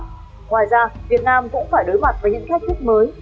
ngoài ra việt nam cũng phải đối mặt với những thách thức mới